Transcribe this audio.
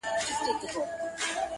• قربانو مخه دي ښه.